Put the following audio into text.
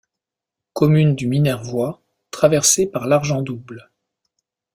Commune du Minervois, traversée par l'Argent-Double.